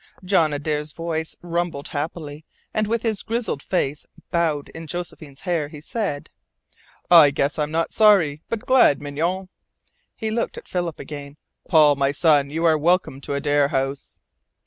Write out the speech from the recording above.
John Adare's voice rumbled happily, and with his grizzled face bowed in Josephine's hair he said: "I guess I'm not sorry but glad, Mignonne." He looked at Philip again. "Paul, my son, you are welcome to Adare House!"